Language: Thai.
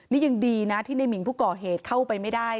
นี่ยังดีนะที่ในหมิงผู้ก่อเหตุเข้าไปไม่ได้